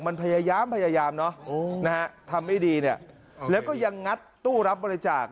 มันพยายามนะฮะทำไม่ดีแล้วก็ยังงัดตู้รับบริจาค